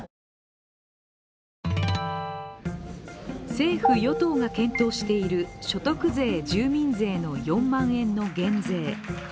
政府・与党が検討している所得税・住民税の４万円の減税。